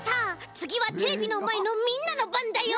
つぎはテレビのまえのみんなのばんだよ。